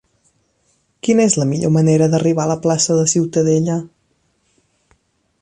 Quina és la millor manera d'arribar a la plaça de Ciutadella?